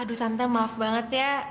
aduh santa maaf banget ya